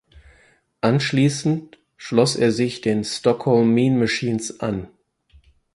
Anschließend schloss er sich den Stockholm Mean Machines an.